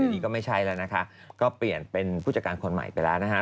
อันนี้ก็ไม่ใช่แล้วนะคะก็เปลี่ยนเป็นผู้จัดการคนใหม่ไปแล้วนะฮะ